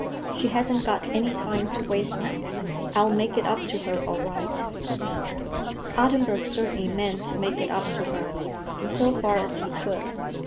She hasn't got any time to waste now. I'll make it up to her, all right." Ottenburg certainly meant to make it up to her, in so far as he could.